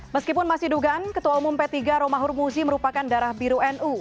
meskipun masih dugaan ketua umum p tiga romahur muzi merupakan darah biru nu